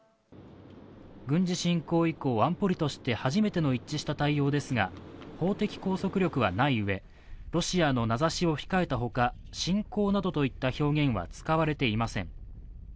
軍事侵攻以降、安保理として初めての一致した対応ですが、法的拘束力はないうえロシアの名指しを控えたほか侵攻などといった表現は使われていません。